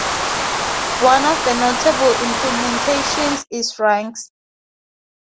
One of the notable implementations is rsync.